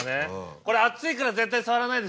これ熱いから絶対触らないで。